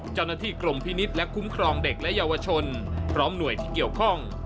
เจ้าหน้าที่กรมพินิษฐ์และคุ้มครองเด็กและเยาวชนพร้อมหน่วยที่เกี่ยวข้อง